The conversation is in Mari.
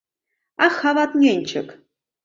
Ах, ават нӧнчык!